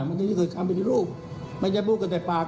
มันคือคำปฏิรูปไม่ใช่พูดกันแต่ปาก